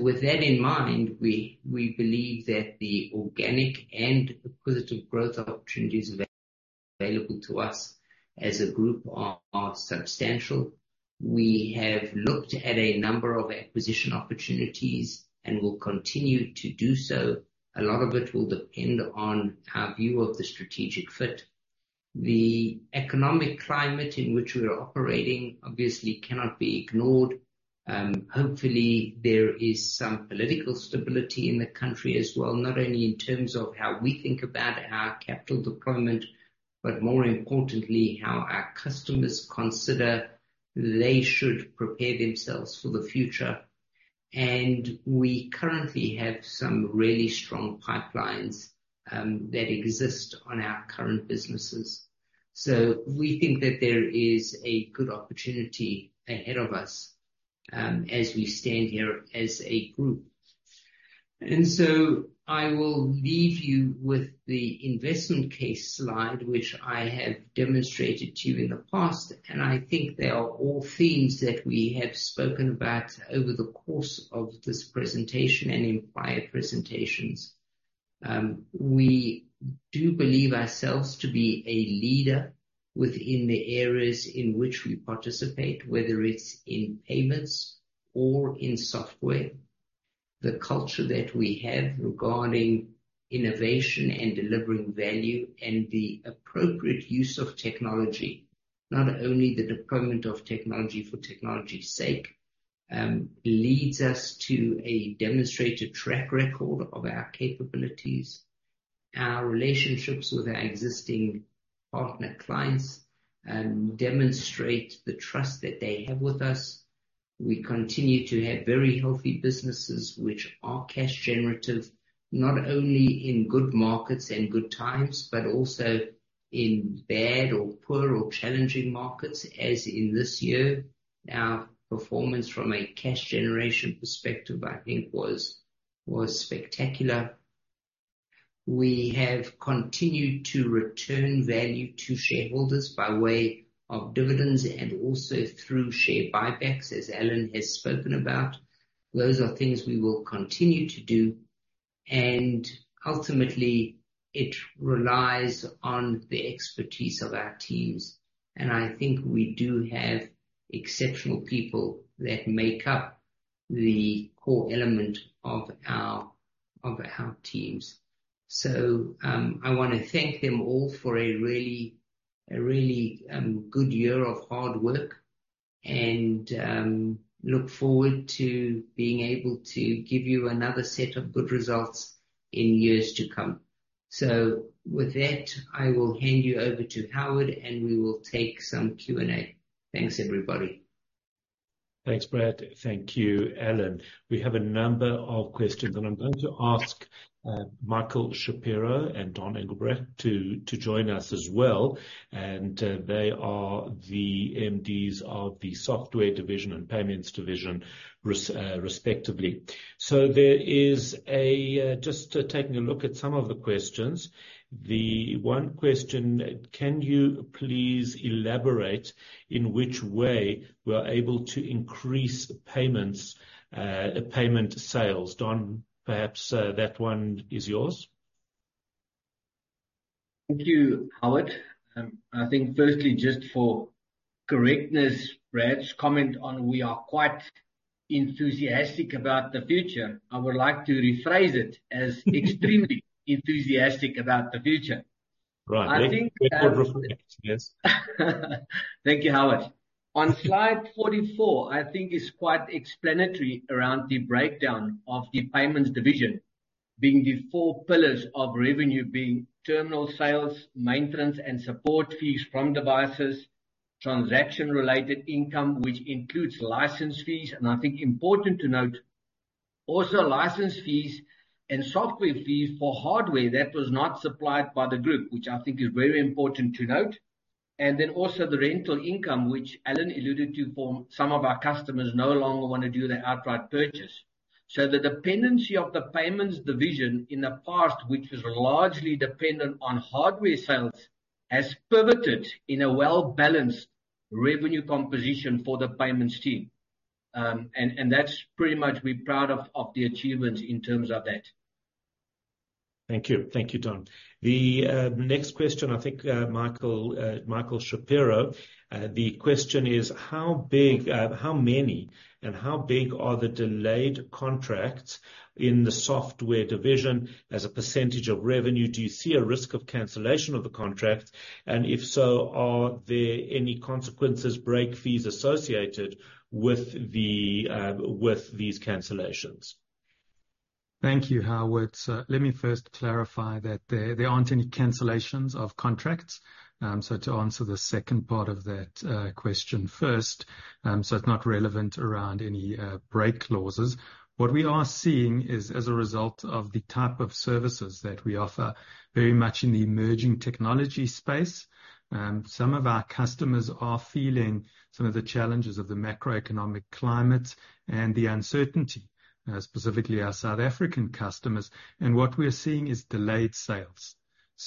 With that in mind, we believe that the organic and acquisitive growth opportunities available to us as a group are substantial. We have looked at a number of acquisition opportunities and will continue to do so. A lot of it will depend on our view of the strategic fit. The economic climate in which we are operating obviously cannot be ignored. Hopefully, there is some political stability in the country as well, not only in terms of how we think about our capital deployment, but more importantly, how our customers consider they should prepare themselves for the future. We currently have some really strong pipelines that exist on our current businesses. We think that there is a good opportunity ahead of us as we stand here as a group. I will leave you with the investment case slide, which I have demonstrated to you in the past, and I think they are all themes that we have spoken about over the course of this presentation and in prior presentations. We do believe ourselves to be a leader within the areas in which we participate, whether it's in payments or in software. The culture that we have regarding innovation and delivering value and the appropriate use of technology, not only the deployment of technology for technology's sake, leads us to a demonstrated track record of our capabilities. Our relationships with our existing partner clients demonstrate the trust that they have with us. We continue to have very healthy businesses which are cash generative, not only in good markets and good times but also in bad or poor or challenging markets as in this year. Our performance from a cash generation perspective, I think, was spectacular. We have continued to return value to shareholders by way of dividends and also through share buybacks, as Sjoerd has spoken about. Those are things we will continue to do, and ultimately it relies on the expertise of our teams, and I think we do have exceptional people that make up the core element of our teams. I want to thank them all for a really good year of hard work and look forward to being able to give you another set of good results in years to come. With that, I will hand you over to Howard, and we will take some Q&A. Thanks, everybody. Thanks, Bradley. Thank you, Sjoerd. We have a number of questions, and I'm going to ask Michael Shapiro and Donn Engelbrecht to join us as well. They are the MDs of the Software division and Payments division, respectively. Just taking a look at some of the questions. The one question, can you please elaborate in which way we are able to increase payment sales? Don, perhaps that one is yours. Thank you, Howard. I think firstly just for correctness, Brad's comment on we are quite enthusiastic about the future, I would like to rephrase it as extremely enthusiastic about the future. Right. I think. Yes. Thank you, Howard. On slide 44, I think it's quite explanatory around the breakdown of the Payments division being the four pillars of revenue, being terminal sales, maintenance, and support fees from devices, transaction-related income, which includes license fees. I think important to note also license fees and software fees for hardware that was not supplied by the group, which I think is very important to note. Also the rental income, which Alan alluded to, for some of our customers no longer want to do the outright purchase. The dependency of the Payments division in the past, which was largely dependent on hardware sales, has pivoted in a well-balanced revenue composition for the payments team. That's pretty much we're proud of the achievements in terms of that. Thank you. Thank you, Don. The next question, I think, Michael Shapiro. The question is, how many and how big are the delayed contracts in the Software division as a % of revenue? Do you see a risk of cancellation of the contracts? If so, are there any consequences, break fees associated with these cancellations? Thank you, Howard. Let me first clarify that there aren't any cancellations of contracts. To answer the second part of that question first, it's not relevant around any break clauses. What we are seeing is as a result of the type of services that we offer very much in the emerging technology space. Some of our customers are feeling some of the challenges of the macroeconomic climate and the uncertainty, specifically our South African customers. What we are seeing is delayed sales.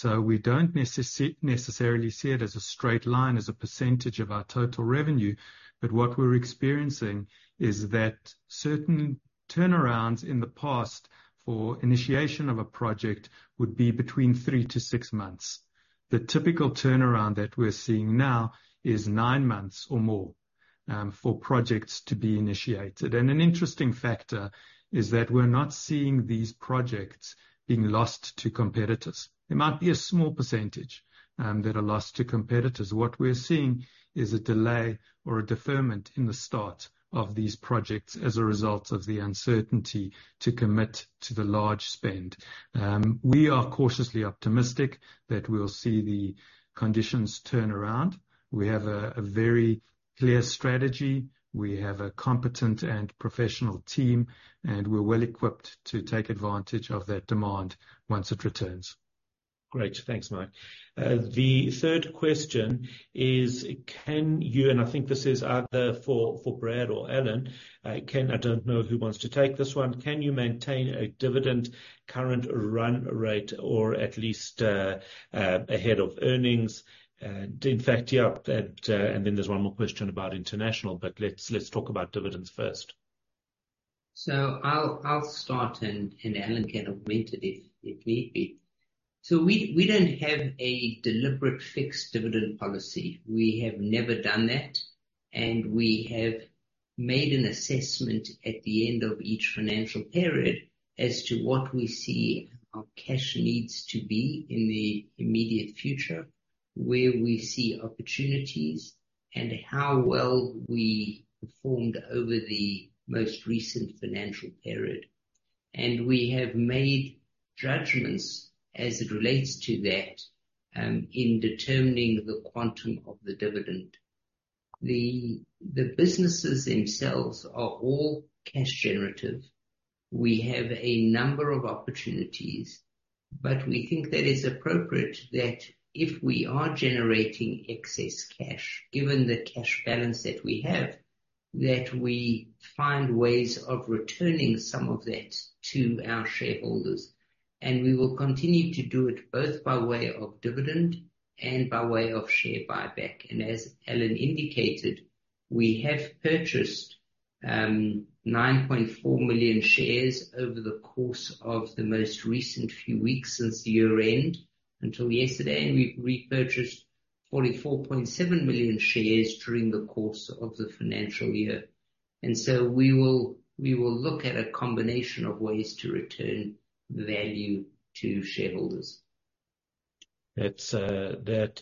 We don't necessarily see it as a straight line as a percentage of our total revenue. What we're experiencing is that certain turnarounds in the past for initiation of a project would be between 3-6 months. The typical turnaround that we're seeing now is 9 months or more for projects to be initiated. An interesting factor is that we're not seeing these projects being lost to competitors. There might be a small percentage that are lost to competitors. What we're seeing is a delay or a deferment in the start of these projects as a result of the uncertainty to commit to the large spend. We are cautiously optimistic that we'll see the conditions turn around. We have a very clear strategy. We have a competent and professional team, and we're well equipped to take advantage of that demand once it returns. Great. Thanks, Mike. The third question is, I think this is either for Brad or Alan. I don't know who wants to take this one. Can you maintain a dividend current run rate or at least ahead of earnings? In fact, yeah, there's one more question about international, let's talk about dividends first. I'll start, and Alan can augment it if need be. We don't have a deliberate fixed dividend policy. We have never done that, we have made an assessment at the end of each financial period as to what we see our cash needs to be in the immediate future, where we see opportunities, and how well we performed over the most recent financial period. We have made judgments as it relates to that, in determining the quantum of the dividend. The businesses themselves are all cash generative. We have a number of opportunities, we think that it's appropriate that if we are generating excess cash, given the cash balance that we have, that we find ways of returning some of that to our shareholders. We will continue to do it both by way of dividend and by way of share buyback. As Sjoerd indicated, we have purchased 9.4 million shares over the course of the most recent few weeks since year-end, until yesterday, and we've repurchased 44.8 million shares during the course of the financial year. We will look at a combination of ways to return value to shareholders. That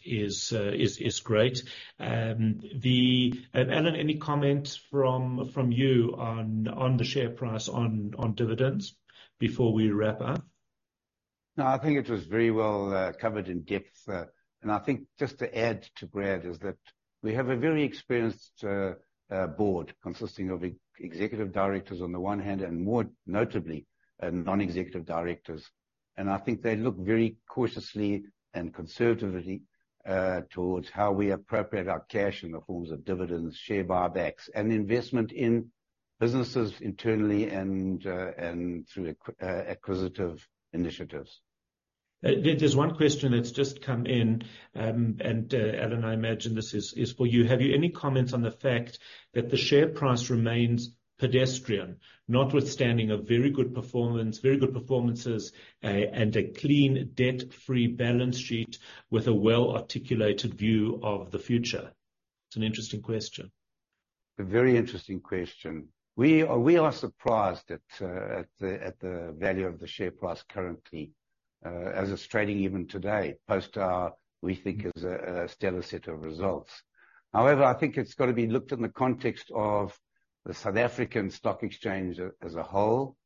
is great. Sjoerd, any comments from you on the share price on dividends before we wrap up? I think it was very well covered in depth. I think just to add to Bradley is that we have a very experienced board consisting of executive directors on the one hand, and more notably, non-executive directors. I think they look very cautiously and conservatively towards how we appropriate our cash in the forms of dividends, share buybacks, and investment in businesses internally and through acquisitive initiatives. There's one question that's just come in. Sjoerd, I imagine this is for you. Have you any comments on the fact that the share price remains pedestrian notwithstanding a very good performance, very good performances, and a clean debt-free balance sheet with a well-articulated view of the future? It's an interesting question. A very interesting question. We are surprised at the value of the share price currently, as it's trading even today post our, we think, stellar set of results. I think it's got to be looked at in the context of the South African Stock Exchange as a whole.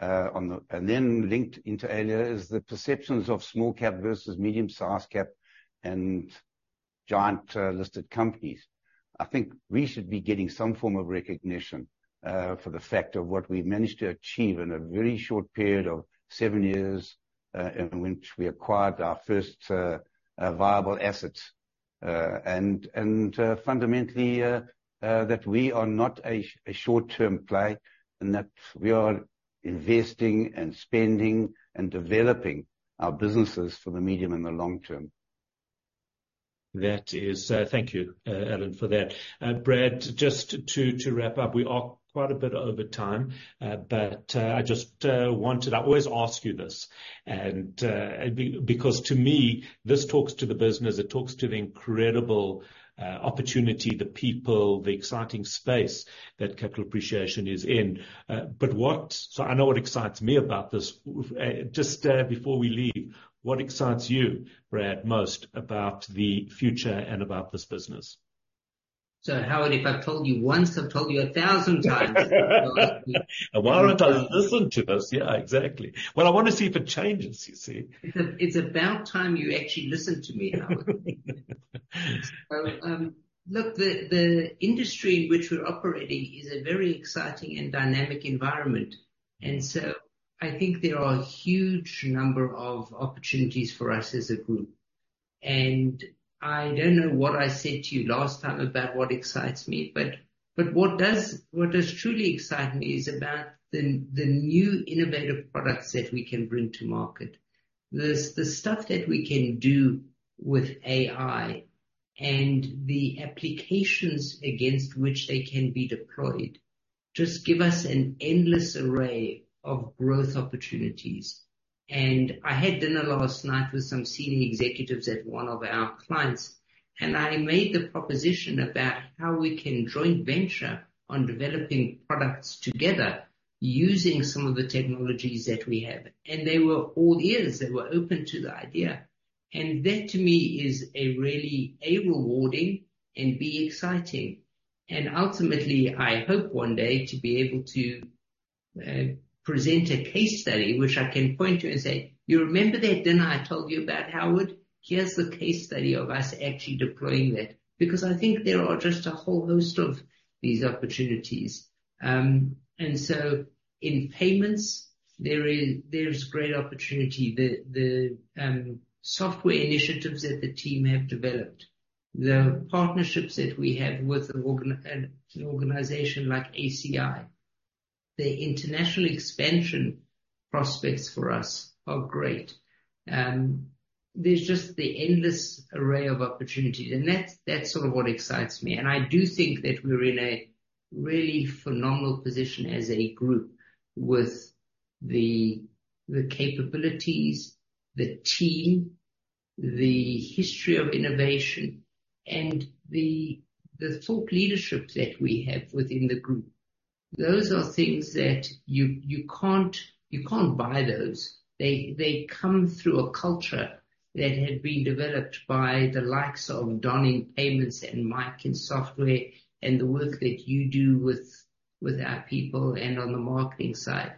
Linked into earlier is the perceptions of small-cap versus medium-size cap and giant listed companies. I think we should be getting some form of recognition for the fact of what we've managed to achieve in a very short period of 7 years, in which we acquired our first viable assets. Fundamentally, that we are not a short-term play and that we are investing and spending and developing our businesses for the medium and the long term. Thank you, Sjoerd, for that. Brad, just to wrap up, we are quite a bit over time. I always ask you this. To me, this talks to the business, it talks to the incredible opportunity, the people, the exciting space that Capital Appreciation is in. I know what excites me about this. Just before we leave, what excites you, Brad, most about the future and about this business? Howard, if I've told you once, I've told you 1,000 times. Why haven't I listened to this? Yeah, exactly. I want to see if it changes, you see. It's about time you actually listened to me, Howard. Look, the industry in which we're operating is a very exciting and dynamic environment. I think there are a huge number of opportunities for us as a group. I don't know what I said to you last time about what excites me, but what does truly excite me is about the new innovative products that we can bring to market. The stuff that we can do with AI and the applications against which they can be deployed just give us an endless array of growth opportunities. I had dinner last night with some senior executives at one of our clients, I made the proposition about how we can joint venture on developing products together using some of the technologies that we have. They were all ears. They were open to the idea. That, to me, is a really, A, rewarding and B, exciting. Ultimately, I hope one day to be able to present a case study, which I can point to and say, "You remember that dinner I told you about, Howard? Here's the case study of us actually deploying that." Because I think there are just a whole host of these opportunities. In payments, there's great opportunity. The software initiatives that the team have developed, the partnerships that we have with an organization like ACI. The international expansion prospects for us are great. There's just the endless array of opportunities. That's sort of what excites me. I do think that we're in a really phenomenal position as a group with the capabilities, the team, the history of innovation, and the thought leadership that we have within the group. Those are things that you can't buy those. They come through a culture that had been developed by the likes of Donn in payments and Mike in software and the work that you do with our people and on the marketing side.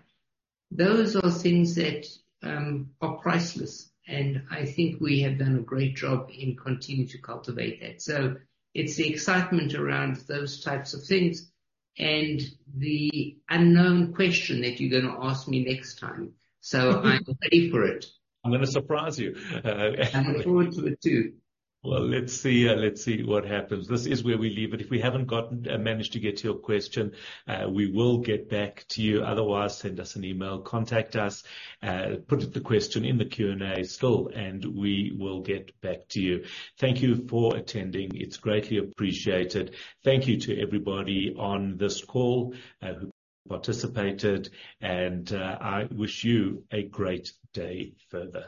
Those are things that are priceless, and I think we have done a great job in continuing to cultivate that. It's the excitement around those types of things and the unknown question that you're going to ask me next time. I'm ready for it. I'm going to surprise you. I look forward to it, too. Well, let's see what happens. This is where we leave it. If we haven't managed to get to your question, we will get back to you. Otherwise, send us an email. Contact us. Put the question in the Q&A still, and we will get back to you. Thank you for attending. It's greatly appreciated. Thank you to everybody on this call who participated. I wish you a great day further.